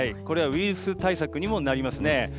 これはウイルス対策にもなりますね。